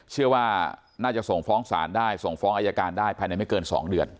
เชื่อว่าน่าจะส่งฟ้องศาลได้ส่งฟ้องอายการได้ภายในไม่เกิน๒เดือน